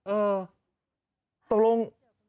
เออตกลง